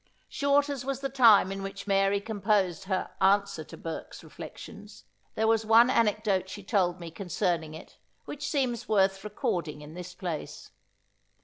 Short as was the time in which Mary composed her Answer to Burke's Reflections, there was one anecdote she told me concerning it, which seems worth recording in this place.